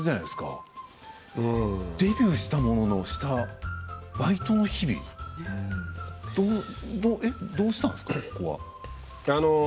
でもデビューしたもののバイトの日々どうしたんですか？